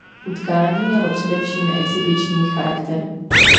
Utkání mělo především exhibiční charakter.